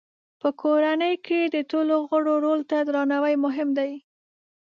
په کورنۍ کې د ټولو غړو رول ته درناوی مهم دی.